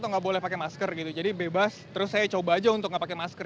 nggak boleh pakai masker gitu jadi bebas terus saya coba aja untuk nggak pakai masker